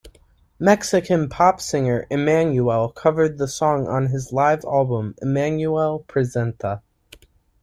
Mexican pop singer, Emmanuel covered the song on his live album, "Emmanuel Presenta..."